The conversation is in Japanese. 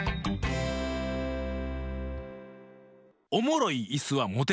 おもろいいすはもてる。